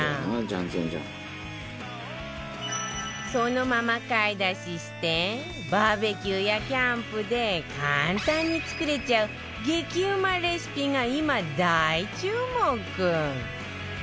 そのまま買い出ししてバーベキューやキャンプで簡単に作れちゃう激うまレシピが今大注目